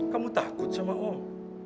kamu takut sama om